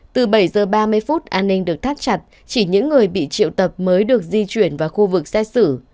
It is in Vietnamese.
từ bảy h ba mươi phút an ninh được thắt chặt chỉ những người bị triệu tập mới được di chuyển vào khu vực xét xử